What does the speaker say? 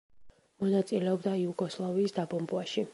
მონაწილეობდა იუგოსლავიის დაბომბვაში.